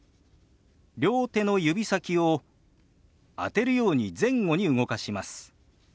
両手の指先を当てるように前後に動かします。